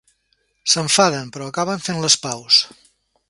S'enfaden però acaben fent les paus.